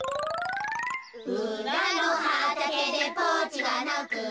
「うらのはたけでポチがなく」